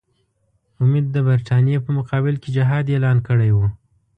امیر د برټانیې په مقابل کې جهاد اعلان کړی وو.